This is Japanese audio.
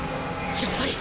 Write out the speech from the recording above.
やっぱり！